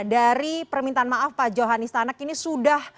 dari permintaan maaf pak johan istanak ini sudah